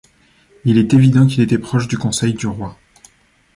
Il est évident qu’il était proche du conseil du roi.